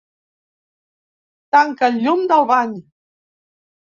Tanca el llum del bany.